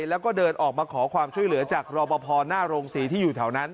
แล้วก็เดินออกมาขอความช่วยเหลือจากรอปภหน้าโรงศรีที่อยู่แถวนั้น